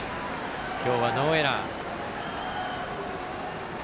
今日はノーエラー。